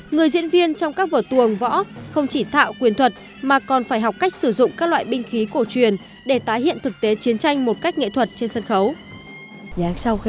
người diễn viên trong các vở tuồng võ không chỉ tạo quyền thuật mà còn phải học cách sử dụng các loại binh khí cổ truyền để tái hiện thực tế chiến tranh một cách nghệ thuật trên sân khấu